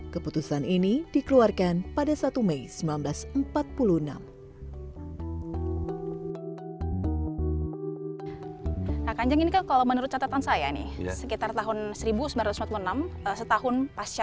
keputusan mangku negara